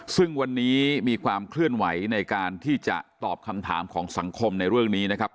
ซึ่งวันนี้มีความเคลื่อนไหวในการที่จะตอบคำถามของสังคมในเรื่องนี้นะครับ